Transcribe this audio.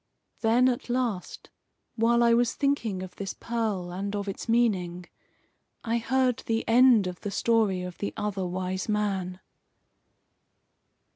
Then, at last, while I was thinking of this pearl, and of its meaning, I heard the end of the story of the Other Wise Man.